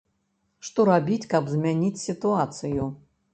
Што рабіць, каб змяніць сітуацыю?